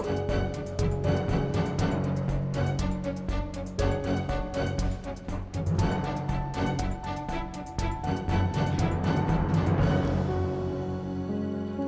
aku bersumpah untuk itu